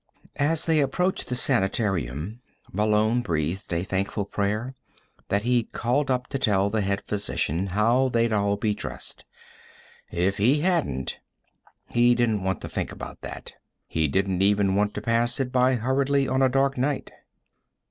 As they approached the sanitarium, Malone breathed a thankful prayer that he'd called up to tell the head physician how they'd all be dressed. If he hadn't He didn't want to think about that. He didn't even want to pass it by hurriedly on a dark night.